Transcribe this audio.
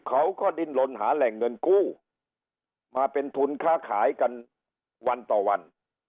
เขาก็ดินลนหาแหล่งเงินกู้มาเป็นทุนค้าขายกันวันต่อวัน